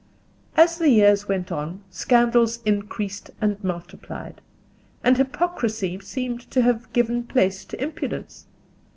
As the years went on scandals increased and multiplied, and hypocrisy seemed to have given place to impudence.